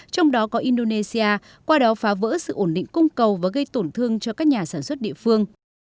trong đó có indonesia qua đó phá vỡ sự ổn định cung cầu và gây tổn thương cho các nhà sản xuất địa phương